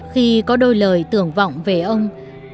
khi có đôi lời tưởng vọng về ông